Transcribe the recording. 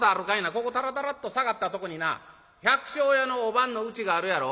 ここたらたらっと下がったとこにな百姓家のおばんのうちがあるやろ？